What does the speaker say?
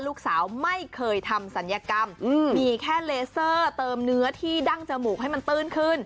ลูกสาวไม่เคยทำศัลยกรรมมีแค่เลเซอร์เติมเนื้อที่ดั้งจมูกให้มันตื้นขึ้น